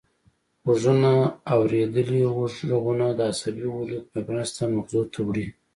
غوږونه اوریدلي غږونه د عصبي ولیو په مرسته مغزو ته وړي